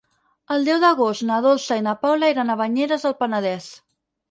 El deu d'agost na Dolça i na Paula iran a Banyeres del Penedès.